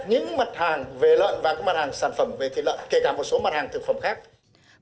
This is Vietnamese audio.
những mặt hàng về lợn và các mặt hàng sản phẩm về thịt lợn kể cả một số mặt hàng thực phẩm khác